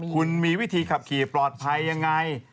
คุณมีวิธีขับขี่ปลอดภัยยังไง